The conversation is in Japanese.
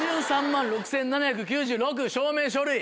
６３万６７９６証明書類。